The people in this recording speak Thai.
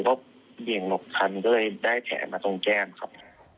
ผมก็เหยียงหลบทันได้แขนมาตรงแก้มครับ